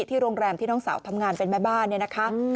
โรงแรมที่น้องสาวทำงานเป็นแม่บ้านเนี่ยนะคะ